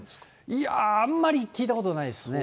いやぁ、あんまり聞いたことないですね。